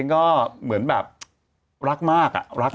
ก็เหมือนแบบรักมาก